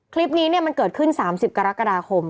คลิปนี้มันเกิดขึ้น๓๐กรกฎาคม